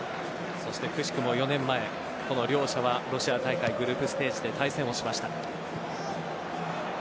そして、くしくも４年前この両者はロシア大会グループステージで対戦をしました。